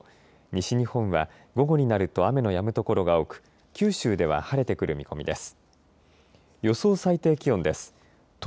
西日本は午後になると雨のやむ所が多く九州では晴れてくる見込みです。